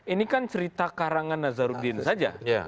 ini kan cerita karangan nazarudin saja